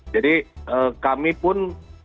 jadi kami pun